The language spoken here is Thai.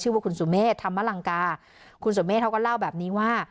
ว่าคุณสุเมฆธรรมลังกาคุณสุเมฆเขาก็เล่าแบบนี้ว่า